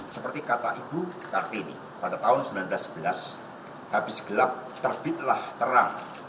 seperti kata ibu kartini pada tahun seribu sembilan ratus sebelas habis gelap terbitlah terang